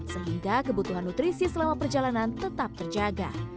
sehingga kebutuhan nutrisi selama perjalanan tetap terjaga